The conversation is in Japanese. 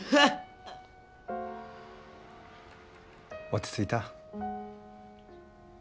落ち着いた？